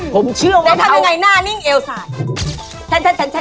ค่ะแล้วทำยังไงหน้านิ่งเอวสายผมเชื่อว่าเขาแชน